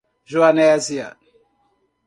Joanésia